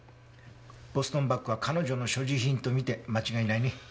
ボストンバッグは彼女の所持品とみて間違いないね。